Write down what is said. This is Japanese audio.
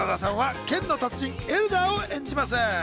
真田さんは剣の達人・エルダーを演じます。